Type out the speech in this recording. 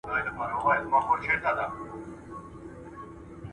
زما ځان دی څه پردی نه دئ